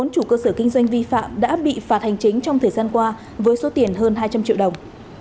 bốn chủ cơ sở kinh doanh vi phạm đã bị phạt hành chính trong thời gian qua với số tiền hơn hai trăm linh triệu đồng